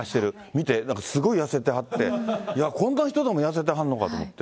見て、なんかすごい痩せてはって、いや、こんな人でも痩せてはんのかと思って。